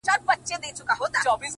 نسه نه وو نېمچه وو ستا د درد په درد ـ